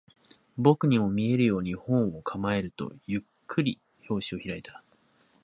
僕にも見えるように、本を構えると、ゆっくり表紙を開いた